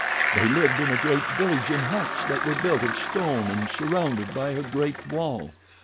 "They lived in a great village in huts that were built of stone and surrounded by a great wall.